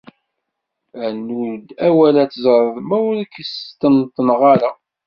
rnu-d awal ad teẓreḍ ma ur k-sṭenṭneɣ ara!